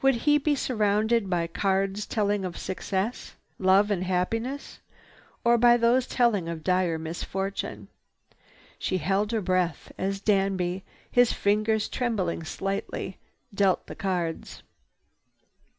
Would he be surrounded by cards telling of success, love and happiness, or by those telling of dire misfortune? She held her breath as Danby, his fingers trembling slightly, dealt the cards.